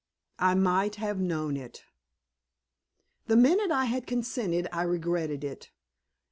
I MIGHT HAVE KNOWN IT The minute I had consented I regretted it.